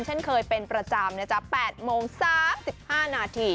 เช่นเคยเพลงประจำ๘โมง๓๕นาที